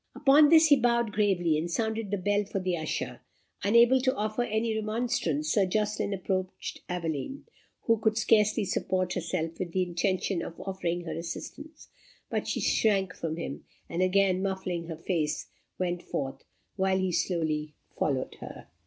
Upon this, he bowed gravely, and sounded the bell for the usher. Unable to offer any remonstrance, Sir Jocelyn approached Aveline, who could scarcely support herself, with the intention of offering her assistance; but she shrank from him, and again muffling her face, went forth, while he slowly followed her.